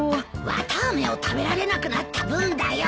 綿あめを食べられなくなった分だよ。